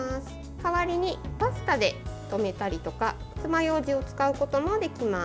代わりにパスタで留めたりとかつまようじを使うこともできます。